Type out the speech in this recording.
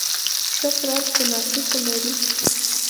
ښه پرل کوناټي خو لري